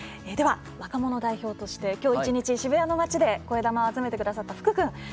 若者代表として、きょう一日渋谷の街で、こえだまを集めてくださった福君。